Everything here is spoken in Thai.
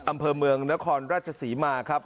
อำเภอเมืองนครราชศรีมาครับ